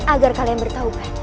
agar kalian bertahukan